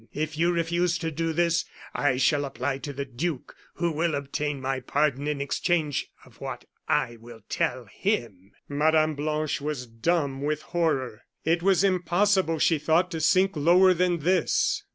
If you refuse to do this, I shall apply to the duke, who will obtain my pardon in exchange of what I will tell him." Mme. Blanche was dumb with horror. It was impossible, she thought, to sink lower than this.